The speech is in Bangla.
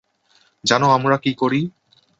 জানো আমরা কী করি?